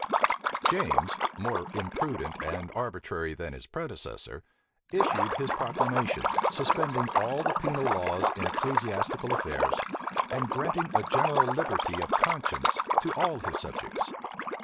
James, more imprudent and arbitrary than his predecessor, issued his proclamation, suspending all the penal laws in ecclesiastical affairs, and granting a general liberty of conscience to all his subjects.